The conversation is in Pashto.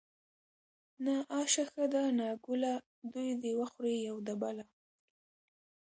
ـ نه آشه ښه ده نه ګله دوي د وخوري يو د بله.